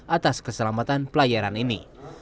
atas keselamatan pelayaran ini